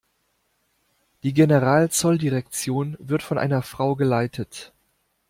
Die Generalzolldirektion wird von einer Frau geleitet.